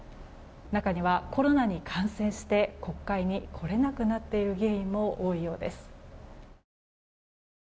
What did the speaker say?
中にはコロナに感染して国会に来れなくなっている議員も多いようです。